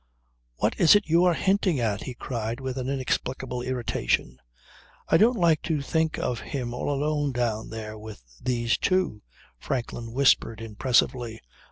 "What is it you are hinting at?" he cried with an inexplicable irritation. "I don't like to think of him all alone down there with these two," Franklin whispered impressively.